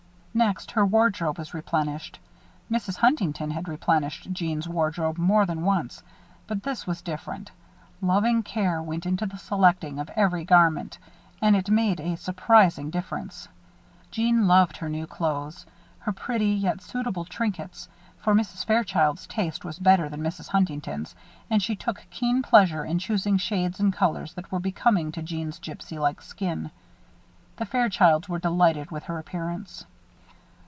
Next, her wardrobe was replenished. Mrs. Huntington had replenished Jeanne's wardrobe more than once; but this was different. Loving care went into the selecting of every garment, and it made a surprising difference. Jeanne loved her new clothes, her pretty, yet suitable trinkets; for Mrs. Fairchild's taste was better than Mrs. Huntington's and she took keen pleasure in choosing shades and colors that were becoming to Jeanne's gypsy like skin. The Fairchilds were delighted with her appearance.